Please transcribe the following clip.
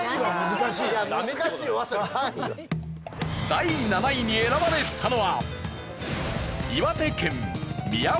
第７位に選ばれたのは。